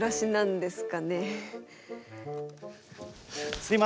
すいません。